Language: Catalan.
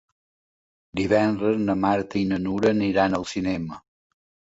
Divendres na Marta i na Nura aniran al cinema.